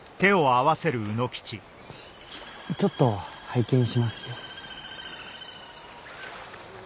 ちょっと拝見しますよ。